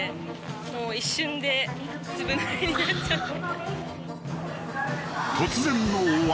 もう一瞬でずぶぬれになっちゃって。